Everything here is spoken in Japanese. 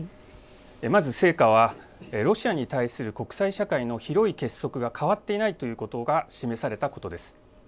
まず成果はロシアに対する国際社会の広い結束が変わっていないということが示されたことです。